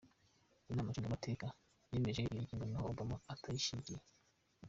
Inama nshingamateka yemeje iyo ngingo n’aho Obama atayishigikiye.